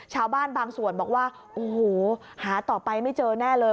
ชาวบ้านบางส่วนบอกว่าโอ้โหหาต่อไปไม่เจอแน่เลย